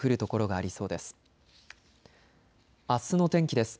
あすの天気です。